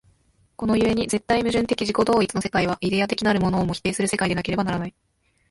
この故に絶対矛盾的自己同一の世界は、イデヤ的なるものをも否定する世界でなければならない。